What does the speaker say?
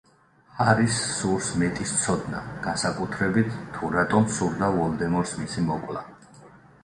ჰარის სურს მეტის ცოდნა, განსაკუთრებით, თუ რატომ სურდა ვოლდემორს მისი მოკვლა.